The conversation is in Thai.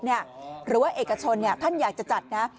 หรือว่าเอกชนท่านอยากจะจัดนะ